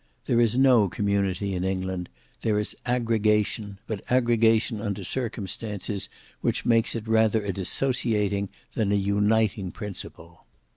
There is no community in England; there is aggregation, but aggregation under circumstances which make it rather a dissociating, than an uniting, principle."